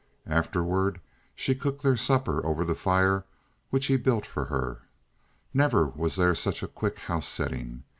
Afterward she cooked their supper over the fire which he built for her. Never was there such a quick house settling.